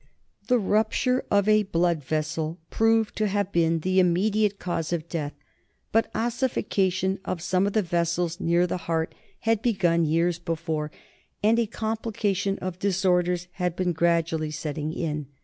The rupture of a blood vessel proved to have been the immediate cause of death, but ossification of some of the vessels near the heart had begun years before and a complication of disorders had been gradually setting in.